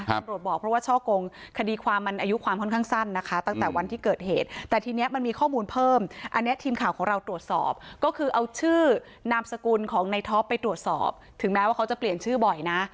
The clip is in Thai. ตำรวจบอกเพราะว่าช่อกงคดีความมันอายุความค่อนข้างสั้นนะคะตั้งแต่วันที่เกิดเหตุแต่ทีนี้มันมีข้อมูลเพิ่มอันนี้ทีมข่าวของเราตรวจสอบก็คือเอาชื่อนามสกุลของในท็อปไปตรวจสอบถึงแม้ว่าเขาจะเปลี่ยนชื่อบ่อยนะ